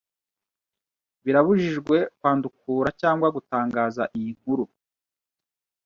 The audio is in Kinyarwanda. birabujijwe kwandukura cyangwa gutangaza iyi nkuru